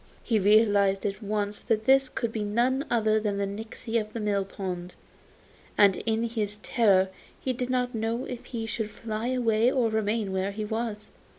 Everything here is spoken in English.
He realised at once that this could be none other than the nixy of the mill pond, and in his terror he didn't know if he should fly away or remain where he was.